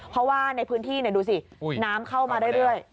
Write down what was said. เพราะว่าในพื้นที่ดูสิน้ำเข้ามาเรื่อย